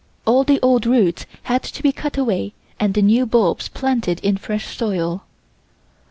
All the old roots had to be cut away and the new bulbs planted in fresh soil.